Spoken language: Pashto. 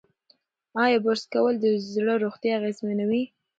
ایا برس کول د زړه روغتیا اغېزمنوي؟